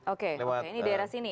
oke ini daerah sini ya